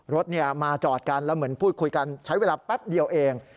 รถมาจอดกันแล้วเหมือนพูดคุยกันใช้เวลาแป๊บเดียวเอง